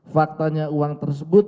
faktanya uang tersebut